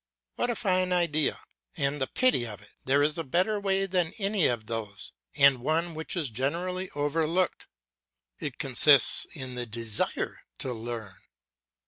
What a fine idea! And the pity of it! There is a better way than any of those, and one which is generally overlooked it consists in the desire to learn.